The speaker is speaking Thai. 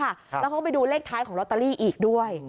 แล้วเขาก็ไปดูเลขท้ายของลอตเตอรี่อีกด้วย